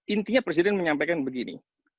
intinya presiden menyampaikan begini